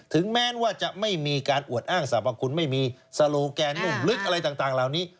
ถึงแม้ว่าจะไม่มีการอวดอ้างสรรพคุณไม่มีโซโลแกนุ่มลึกอะไรต่างเหล่านี้